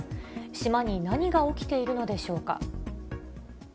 島に何が起きているのでしょうか。